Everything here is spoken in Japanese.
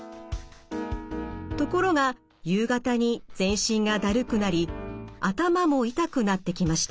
ところが夕方に全身がだるくなり頭も痛くなってきました。